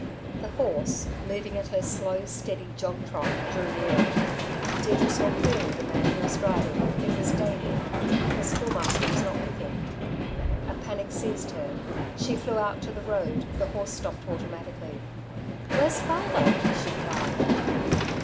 The horse, moving at her slow, steady jog trot, drew nearer. Deirdre saw clearly the man who was driving. It was Davey. The Schoolmaster was not with him. A panic seized her. She flew out to the road, the horse stopped automatically. "Where's father?" she cried.